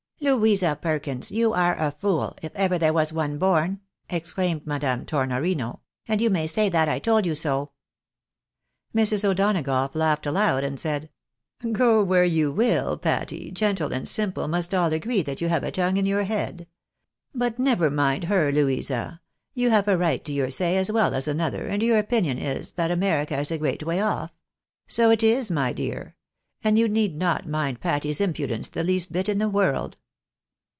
" Louisa Perkins ! you are a fool, if ever there was one born !" exclaimed Madame Tornorino, " and you may say that I told you BO." Mrs. O'Donagough laughed aloud, and said —" Go where you will, Patty, gentle and simple must all agree that you have a tongue in your head. But never mind her, Louisa. You have a right to your say as well as another, and your opinion is, that America is a great way off. So it is, my dear. And you need not mind Patty's impudence the least bit in the world."